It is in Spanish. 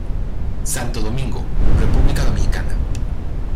Santo Domingo, República Dominicana.